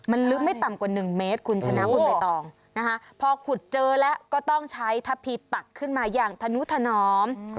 มันลึกไม่ต่ำกว่า๑เมตรคุณชนะคุณใบตองนะคะพอขุดเจอแล้วก็ต้องใช้ทะพีปักขึ้นมาอย่างธนุถนอม